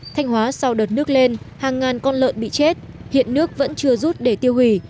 thanh hóa sau đợt nước lên hàng ngàn con lợn bị chết hiện nước vẫn chưa rút để tiêu hủy